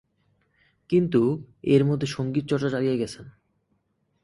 কিন্তু এর মধ্যে সংগীত চর্চা চালিয়ে গেছেন।